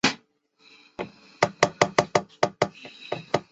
他与萨洛皆因尾翼故障导致的安全顾虑而被迫放弃巴西大奖赛。